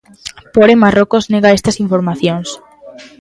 Porén Marrocos nega estas informacións.